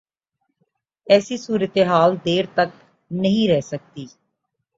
ایسی صورتحال دیر تک نہیں رہ سکتی۔